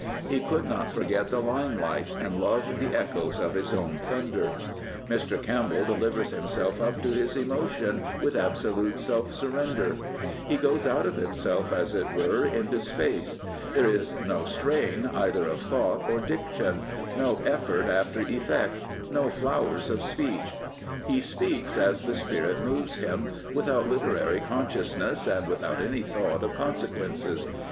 He could not forget the limelight, and loved the echoes of his own thunder. Mr. Campbell delivers himself up to his emotion with absolute self surrender. He goes out of himself, as it were, into space. There is no strain either of thought or diction, no effort after effect, no flowers of speech. He speaks as the spirit moves him, without literary consciousness and without any thought of consequences.